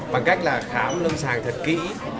bằng cách là khám lâm sàng thật kỹ